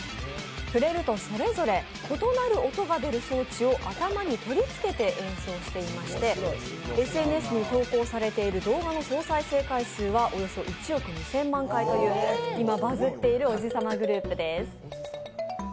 触れるとそれぞれ異なる音が出る装置を頭に取り付けて演奏していましてＳＮＳに投稿されている動画の総再生回数はおよそ１億２０００万回という今、バズっているおじさまグループです。